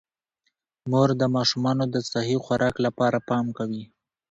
مور د ماشومانو د صحي خوراک لپاره پام کوي